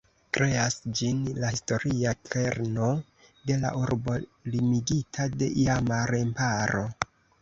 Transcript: Kreas ĝin la historia kerno de la urbo limigita de iama remparo.